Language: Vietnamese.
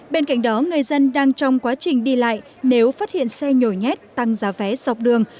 bên cạnh đó người dân đang trong quá trình đi lại nếu phát hiện xe nhồi nhét tăng giá vé dọc đường